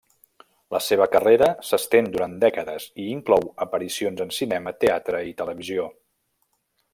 La seva carrera s'estén durant dècades i inclou aparicions en cinema, teatre i televisió.